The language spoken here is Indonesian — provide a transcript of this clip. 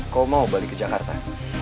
kau mau balik ke jakarta